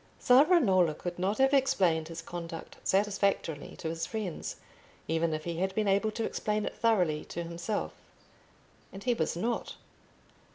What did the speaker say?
Savonarola could not have explained his conduct satisfactorily to his friends, even if he had been able to explain it thoroughly to himself. And he was not.